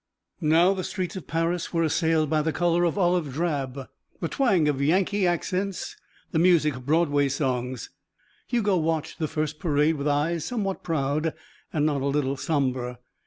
XV Now the streets of Paris were assailed by the colour of olive drab, the twang of Yankee accents, the music of Broadway songs. Hugo watched the first parade with eyes somewhat proud and not a little sombre.